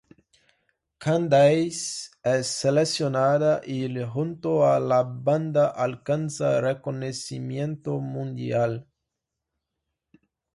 Candace es seleccionada y junto a la banda alcanza reconocimiento mundial.